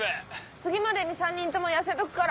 次までに３人とも痩せとくから。